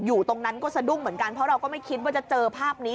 อยู่ตรงนั้นก็สะดุ้งเหมือนกันเพราะเราก็ไม่คิดว่าจะเจอภาพนี้